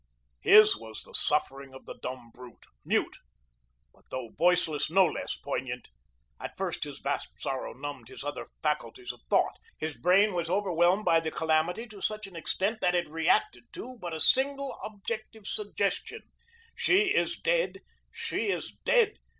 His was the suffering of the dumb brute mute; but though voiceless no less poignant. At first his vast sorrow numbed his other faculties of thought his brain was overwhelmed by the calamity to such an extent that it reacted to but a single objective suggestion: She is dead! She is dead!